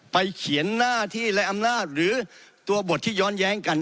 เขียนหน้าที่และอำนาจหรือตัวบทที่ย้อนแย้งกัน